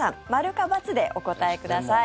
○か×でお答えください。